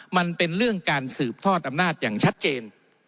มันเป็นเรื่องการสืบทอดอำนาจอย่างชัดเจน